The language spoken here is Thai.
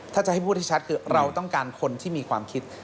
ถ้าจะให้พูดให้ชัดคือเราต้องการคนที่มีความคิด